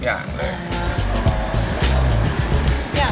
ค่ะใช้เครื่องในหมูเกือบทุกอย่าง